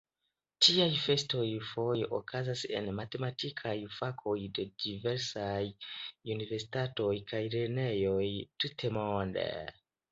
Tiaj festoj foje okazas en la matematikaj fakoj de diversaj universitatoj kaj lernejoj tutmonde.